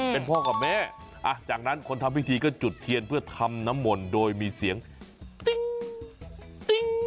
เป็นพ่อกับแม่จากนั้นคนทำพิธีก็จุดเทียนเพื่อทำน้ำมนต์โดยมีเสียงติ๊งติ๊ง